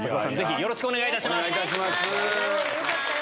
よろしくお願いします。